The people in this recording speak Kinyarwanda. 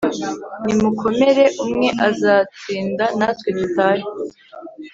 nimukomere umwe aztsinda natwe dutahe